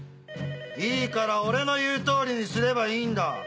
いいから俺の言う通りにすればいいんだ。